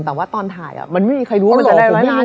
แต่ว่าตอนถ่ายมันไม่มีใครรู้ว่ามันจะได้ร้อยล้าน